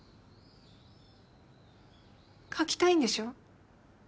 描きたいんでしょ？